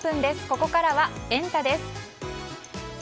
ここからはエンタ！です。